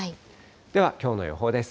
ではきょうの予報です。